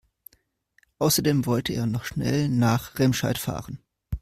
Außerdem wollte er noch schnell nach Remscheid fahren